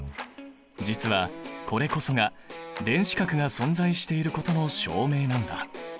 実はこれこそが電子殻が存在していることの証明なんだ。